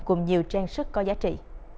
cùng nhiều trang sức có giá trị